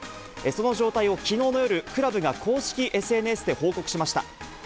その状態をきのうの夜、クラブが公式ＳＮＳで報告しました。